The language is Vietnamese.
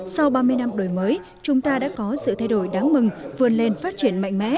sau ba mươi năm đổi mới chúng ta đã có sự thay đổi đáng mừng vươn lên phát triển mạnh mẽ